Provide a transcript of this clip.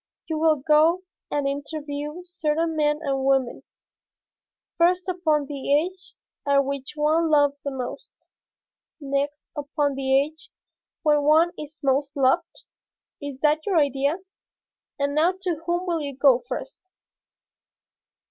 You will go and interview certain men and women, first upon the age at which one loves the most, next upon the age when one is most loved? Is that your idea? And now to whom will you go first?"